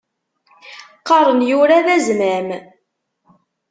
Qqaren yura d azmam.